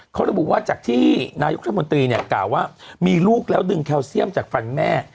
เขาระบุว่าจากที่นายกรัฐมนตรีเนี่ยกล่าวว่ามีลูกแล้วดึงแคลเซียมจากฟันแม่